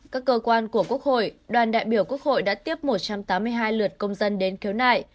các cơ quan của quốc hội đoàn đại biểu quốc hội đã tiếp một trăm tám mươi hai lượt công dân đến khiếu nại